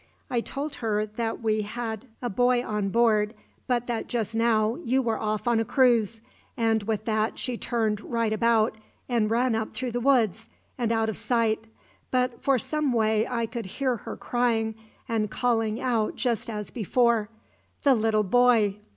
I told her that we had a boy on board, but that just now you were off on a cruise; and with that she turned right about, and ran up through the woods and out of sight; but for some way I could hear her crying and calling out just as before: 'The little boy!'